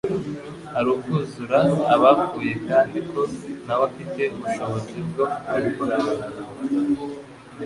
ari ukuzura abapfuye kandi ko na we afite ubushobozi bwo kubikora